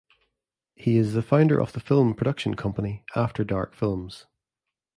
He is the founder of the film production company After Dark Films.